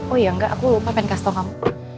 oh iya enggak aku lupa pengen kasih tau kamu